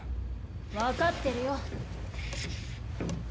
分かってるよ。